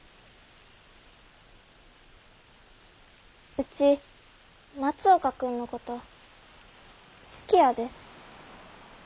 ウチ松岡君のこと好きやで。